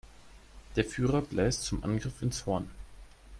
Der Führer bläst zum Angriff ins Horn.